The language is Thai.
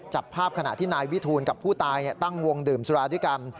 จับภาพขณะที่นายวิทูลกับผู้ตายตั้งวงดื่มสุราด้วยกัน